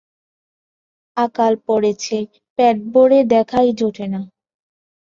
আকাল পড়েছে, পেট ভরে দেখাই জোটে না।